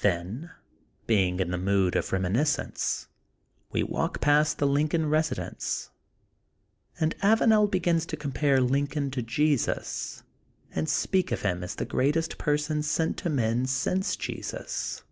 Then, being in the mood of reminiscence, we 'walk p^t the Lincoln residence and Avanel begins to compare Lincoln to Jesus and speak of him as the greatest person sent to men since Jesus.